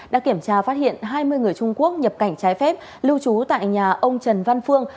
đã kiểm tra phát hiện hai mươi người trung quốc nhập cảnh trái phép lưu trú tại nhà ông trần văn phương